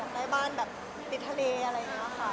ใช้บ้านปิดทะเลค่ะ